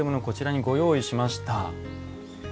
こちらにご用意しました。